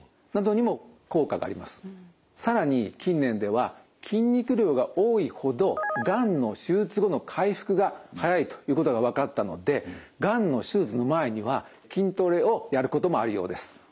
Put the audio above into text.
更に近年では筋肉量が多いほどがんの手術後の回復がはやいということが分かったのでがんの手術の前には筋トレをやることもあるようです。